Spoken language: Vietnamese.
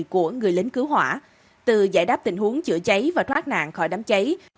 của người lính cứu hỏa từ giải đáp tình huống chữa cháy và thoát nạn khỏi đám cháy